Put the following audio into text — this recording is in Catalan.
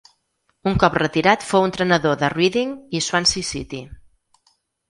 Un cop retirat fou entrenador de Reading i Swansea City.